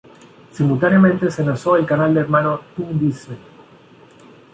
Simultáneamente, se lanzó el canal hermano Toon Disney.